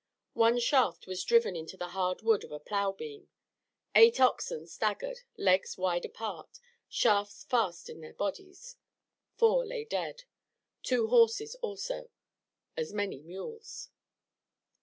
One shaft was driven into the hard wood of a plow beam. Eight oxen staggered, legs wide apart, shafts fast in their bodies; four lay dead; two horses also; as many mules.